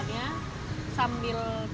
sambil belanja kita harus belanja